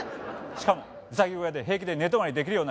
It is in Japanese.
しかもうさぎ小屋で平気で寝泊まりできるような人です。